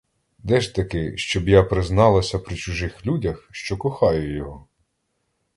Де ж таки, щоб я призналася при чужих людях, що кохаю його?